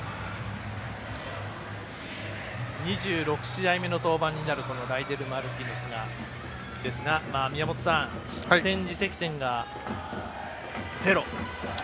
２６試合目の登板になるライデル・マルティネスですが宮本さん、失点自責点がゼロ。